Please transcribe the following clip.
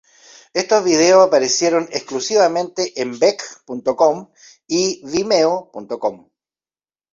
Estos videos aparecieron exclusivamente en beck.com y vimeo.com.